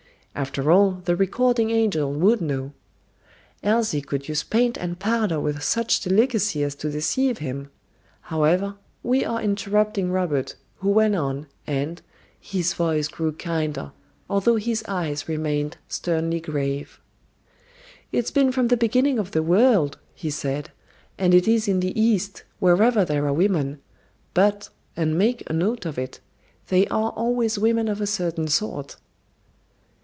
After all, the recording angel would know. Elsie could use paint and powder with such delicacy as to deceive him. However, we are interrupting Robert, who went on, and "His voice grew kinder, although his eyes remained sternly grave." "It's been from the beginning of the world," he said, "and it is in the East, wherever there are women. But and make a note of it they are always women of a certain sort."